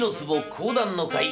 講談の回。